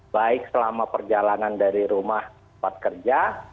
baik selama perjalanan dari rumah tempat kerja